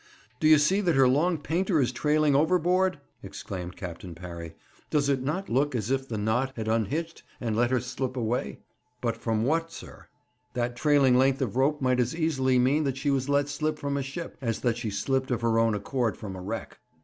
'Do you see that her long painter is trailing overboard?' exclaimed Captain Parry. 'Does it not look as if the knot had unhitched and let her slip away?' 'But from what, sir? That trailing length of rope might as easily mean that she was let slip from a ship, as that she slipped of her own accord from a wreck.'